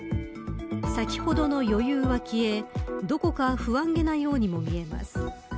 先ほどの余裕は消えどこか不安げなようにも見えます。